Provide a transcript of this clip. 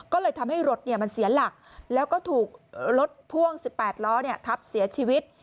ก็เลยทำให้รถมันเสียหลักแล้วก็ถูกรถพ่วง๑๘ล้อทับเสียชีวิต